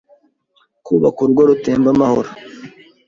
kubaka urugo rutemba amahoro